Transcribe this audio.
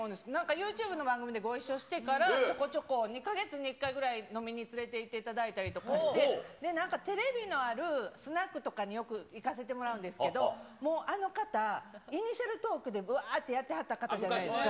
ユーチューブの番組でご一緒してから、ちょこちょこ、２か月に１回ぐらい飲みに連れていってくださったりして、なんかテレビのあるスナックとかによく行かせてもらうんですけど、もうあの方、イニシャルトークでばーっとやってはった方じゃないですか、